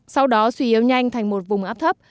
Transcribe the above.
sau đó suy yếu nhanh thành một vùng áp thấp